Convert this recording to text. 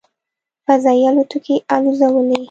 "فضايي الوتکې" الوځولې.